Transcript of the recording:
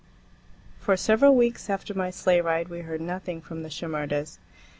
X FOR several weeks after my sleigh ride, we heard nothing from the Shimerdas.